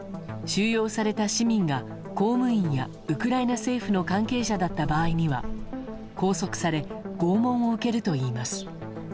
収容された市民が公務員やウクライナ政府の関係者だった場合には拘束され拷問を受けるといいます。